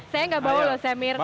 saya nggak bawa loh semir